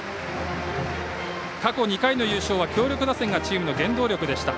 過去２回の優勝は強力打線がチームの原動力でした。